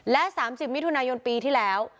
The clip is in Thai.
และ๓๐มิถุนายนปีที่แล้ว